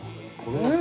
うん！